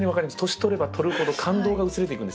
年取れば取るほど感動が薄れていくんですよ。